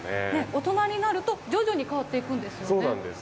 大人になると、徐々に変わっていくんですよね。